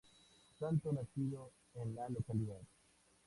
Santo nacido en la localidad.